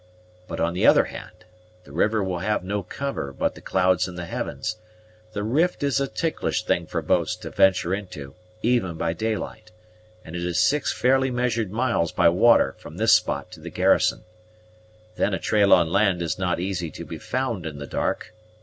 But, on the other hand, the river will have no cover but the clouds in the heavens; the rift is a ticklish thing for boats to venture into, even by daylight; and it is six fairly measured miles, by water, from this spot to the garrison. Then a trail on land is not easy to be found in the dark.